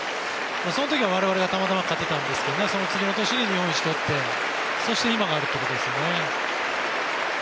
その時は我々はたまたま勝てたんですけどその次の年に日本一をとってそして今があるということですね。